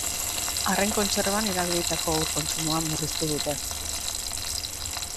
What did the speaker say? Arrain kontserban erabilitako ur kontsumoa murriztu dute.